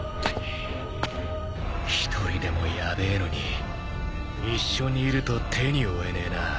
一人でもヤベえのに一緒にいると手に負えねえな。